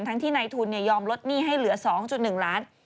ทั้งที่นายทูลยอมลดหนี้ให้เหลือ๒๑ล้าน